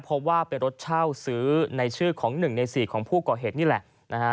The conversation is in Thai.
เพราะว่าเป็นรถเช่าซื้อในชื่อของ๑ใน๔ของผู้ก่อเหตุนี่แหละนะฮะ